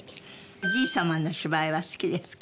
おじい様の芝居は好きですか？